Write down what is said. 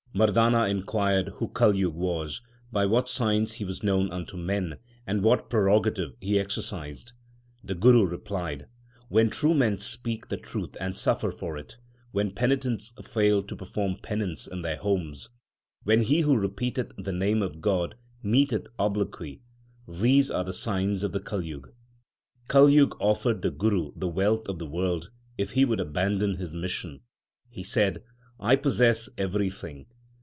l Mardana inquired who Kaljug was, by what signs he was known unto men, and what prerogative he exercised ? The Guru replied : When true men speak the truth and suffer for it ; when penitents fail to perform penance in their homes ; When he who repeateth the name of God meeteth obloquy these are the signs of the Kaljug. 2 Kaljug offered the Guru the wealth of the world if he would abandon his mission. He said, I possess everything.